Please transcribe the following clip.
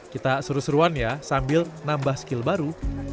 kita seru seruan ya sambil nambah skill baru